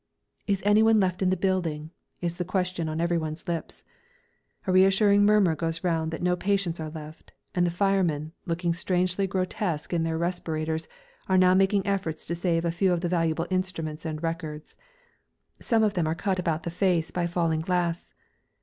"Is anyone left in the building?" is the question on everyone's lips. A reassuring murmur goes round that no patients are left, and the firemen, looking strangely grotesque in their respirators, are now making efforts to save a few of the valuable instruments and records. Some of them are cut about the face by falling glass.